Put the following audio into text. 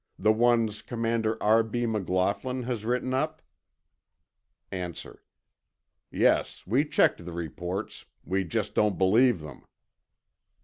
The ones Commander R. B. McLaughlin has written up? A. Yes, we checked the reports. We just don't believe them.